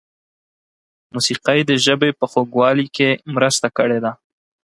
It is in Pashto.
موسیقۍ د ژبې په خوږوالي کې مرسته کړې ده.